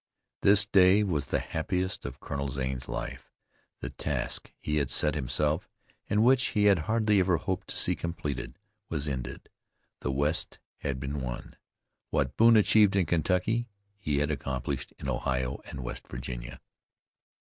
This day was the happiest of Colonel Zane's life. The task he had set himself, and which he had hardly ever hoped to see completed, was ended. The West had been won. What Boone achieved in Kentucky he had accomplished in Ohio and West Virginia.